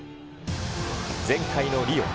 前回のリオ。